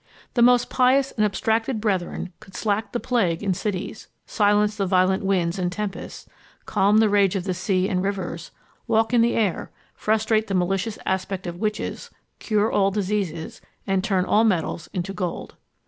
The most pious and abstracted brethren could slack the plague in cities, silence the violent winds and tempests, calm the rage of the sea and rivers, walk in the air, frustrate the malicious aspect of witches, cure all diseases, and turn all metals into gold.